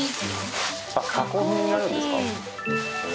加工品になるんですか。